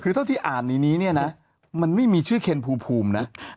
คือเท่าที่อ่านในนี้เนี่ยนะมันไม่มีชื่อเคนภูมินะ